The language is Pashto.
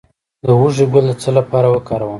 د هوږې ګل د څه لپاره وکاروم؟